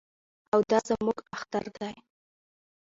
او دا زموږ اختر دی.